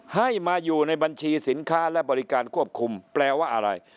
ให้มาอยู่ในบัญชีสินค้าและบริการควบคุมแปลว่าอะไร